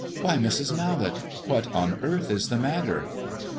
"Why, Mrs. Mallet! What on earth is the matter?"